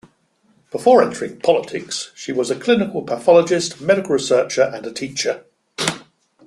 Before entering politics she was a clinical pathologist, medical researcher and teacher.